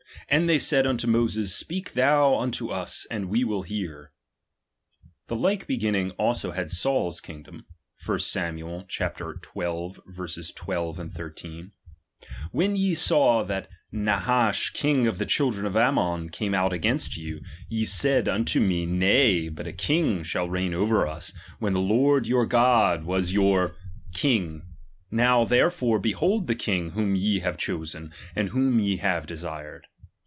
And they said unto Moses, speak thou unto us, and we will hear. The like beginning also had Saul's kingdom, (! Sam. xii. 12, 13): When ye saw that Nahash king of the children of Amvion came out eainst you, ye said unto me, nay, but a king shall t over us, when the Lord your God u 3 your 144 , king. Now therefore behold the Icing jvhom ye have chosen, and whom ye have desired.